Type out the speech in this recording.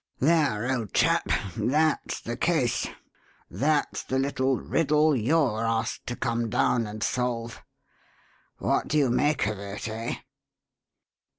There, old chap, that's the 'case' that's the little riddle you're asked to come down and solve. What do you make of it, eh?"